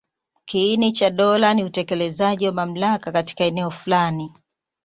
Kiini cha dola ni utekelezaji wa mamlaka katika eneo fulani.